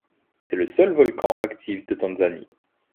C'est le seul volcan actif de Tanzanie.